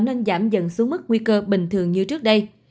nên giảm dần xuống mức nguy cơ bình thường như trước đây